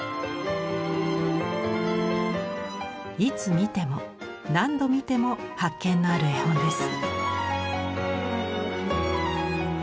いつ見ても何度見ても発見のある絵本です。